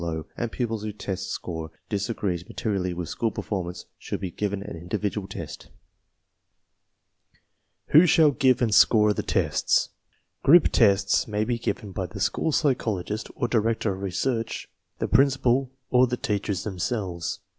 „low, and pupils whose group test score dis agrees materially with school performance, should be .given an individual test. ^jifl— ■'■■*»<...„ Who shdttgive and score the tests? Group tests may be / givenTby the school psychologist (or director of re , search ^, the p rincipal, or the teachers themselves.